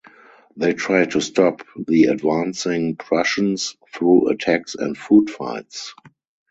They tried to stop the advancing Prussians through attacks and foot fights.